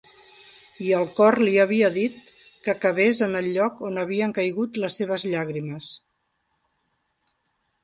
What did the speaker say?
I el cor li havia dit que cavés en el lloc on havien caigut les seves llàgrimes.